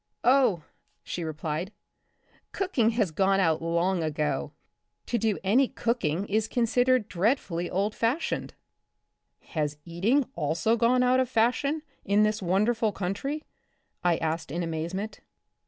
Oh/' she replied, " cooking has gone out long ago. To do any cooking is considered dreadfully old fashioned." " Has eating also gone out of fashion in this wonderful country ?" I asked in amazement.